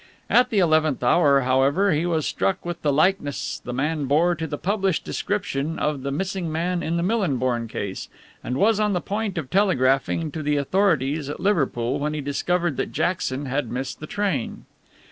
At the eleventh hour, however, he was struck with the likeness the man bore to the published description of the missing man in the Millinborn case, and was on the point of telegraphing to the authorities at Liverpool, when he discovered that Jackson had missed the train.